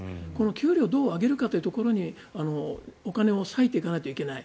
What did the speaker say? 給料をどう上げるかというところにお金を割いていかないといけない。